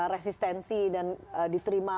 resistensi dan diterima